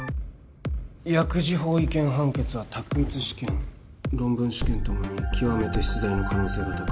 薬事法違憲判決は択一試験論文試験共に極めて出題の可能性が高い。